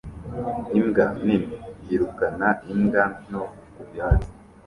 Imbwa nini yirukana imbwa nto ku byatsi